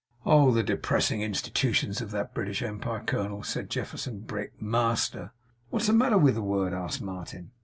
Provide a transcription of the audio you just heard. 'Oh! The depressing institutions of that British empire, colonel!' said Jefferson Brick. 'Master!' 'What's the matter with the word?' asked Martin.